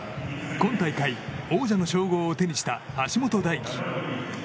今大会王者の称号を手にした橋本大輝。